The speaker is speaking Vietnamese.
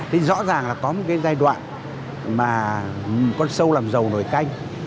thì rõ ràng là có một cái giai đoạn mà con sâu làm dầu nổi canh